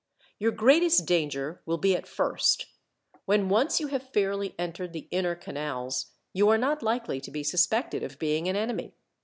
"Your greatest danger will be at first. When once you have fairly entered the inner canals, you are not likely to be suspected of being an enemy.